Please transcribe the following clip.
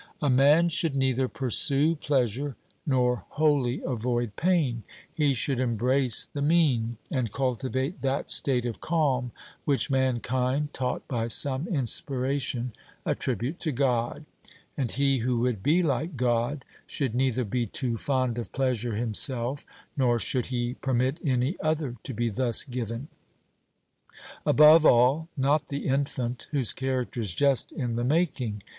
A man should neither pursue pleasure nor wholly avoid pain. He should embrace the mean, and cultivate that state of calm which mankind, taught by some inspiration, attribute to God; and he who would be like God should neither be too fond of pleasure himself, nor should he permit any other to be thus given; above all, not the infant, whose character is just in the making.